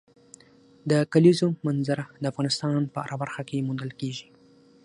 د کلیزو منظره د افغانستان په هره برخه کې موندل کېږي.